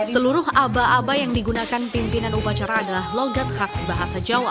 seluruh aba aba yang digunakan pimpinan upacara adalah logat khas bahasa jawa